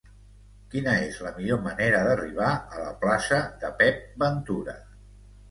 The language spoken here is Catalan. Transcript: Quina és la millor manera d'arribar a la plaça de Pep Ventura?